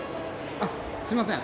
あっすみません。